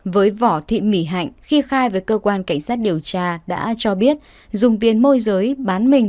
với vỏ thị mỉ hạnh khi khai về cơ quan cảnh sát điều tra đã cho biết dùng tiền môi giới bán mình